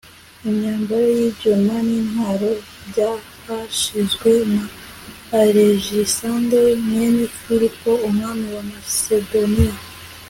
imyambaro y'ibyuma n'intwaro byahasizwe na alegisanderi mwene filipo, umwami wa masedoniya